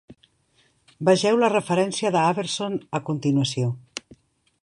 Vegeu la referència de Arveson a continuació.